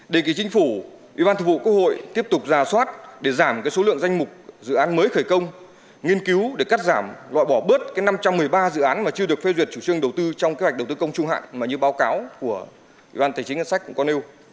đề cử chính phủ ủy ban thủ vụ quốc hội tiếp tục ra soát để giảm số lượng danh mục dự án mới khởi công nghiên cứu để cắt giảm loại bỏ bớt năm trăm một mươi ba dự án mà chưa được phê duyệt chủ trương đầu tư trong kế hoạch đầu tư công trung hạn mà như báo cáo của ủy ban tài chính ngân sách cũng có nêu